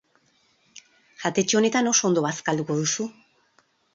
Jatetxe honetan oso ondo bazkalduko duzu.